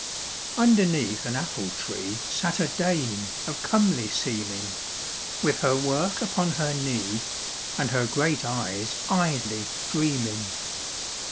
Underneath an apple tree Sat a dame of comely seeming, With her work upon her knee, And her great eyes idly dreaming.